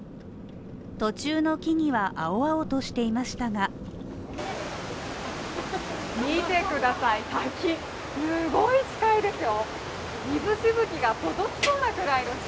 途中の木々は青々としていましたが見てくださいすごい滝ですよ。